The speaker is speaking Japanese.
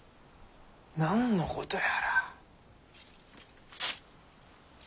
何のことやら。